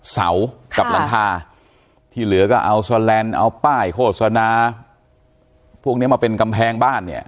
เสากับหลังคาที่เหลือก็เอาสแลนด์เอาป้ายโฆษณาพวกนี้มาเป็นกำแพงบ้านเนี่ย